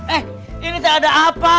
eh ini saya ada apa